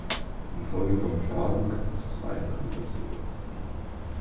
Infolge von Klagen kam es zu weiteren Verzögerungen.